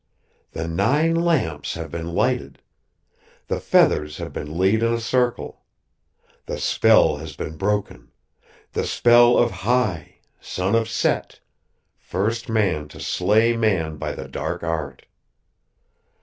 "The nine lamps have been lighted! The feathers have been laid in a circle! The spell has been spoken; the spell of Hai, son of Set, first man to slay man by the Dark Art!